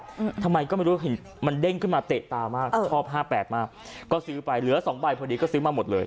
อืมทำไมก็ไม่รู้เห็นมันเด้งขึ้นมาเตะตามากชอบห้าแปดมากก็ซื้อไปเหลือสองใบพอดีก็ซื้อมาหมดเลย